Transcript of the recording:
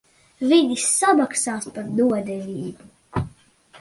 Viņi samaksās par nodevību.